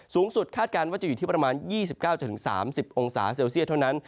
คาดการณ์ว่าจะอยู่ที่ประมาณ๒๙๓๐องศาเซลเซียตเท่านั้น